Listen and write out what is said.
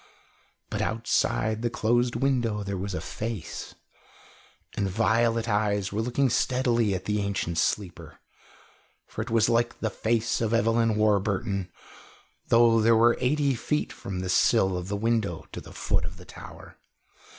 But outside the closed window there was a face, and violet eyes were looking steadily at the ancient sleeper, for it was like the face of Evelyn Warburton, though there were eighty feet from the sill of the window to the foot of the tower.